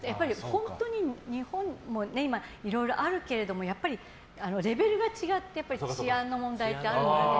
本当に日本もいろいろあるけれどもやっぱり、レベルが違って治安の問題ってあるので。